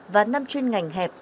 và năm chuyên ngành hẹp